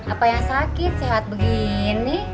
apa yang sakit sehat begini